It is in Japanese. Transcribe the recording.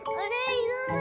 いない。